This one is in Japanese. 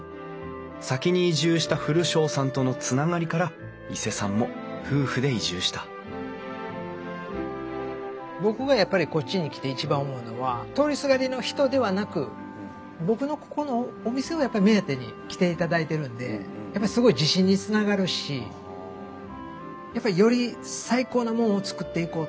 先に移住した古荘さんとのつながりから伊勢さんも夫婦で移住した僕がやっぱりこっちに来て一番思うのは通りすがりの人ではなく僕のここのお店をやっぱり目当てに来ていただいてるんでやっぱりすごい自信につながるしやっぱりより最高なものを作っていこうと。